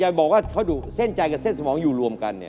บอกว่าเขาดูเส้นใจกับเส้นสมองอยู่รวมกัน